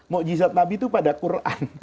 mujizat nabi itu pada quran